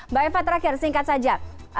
mbak eva terakhir singkat saja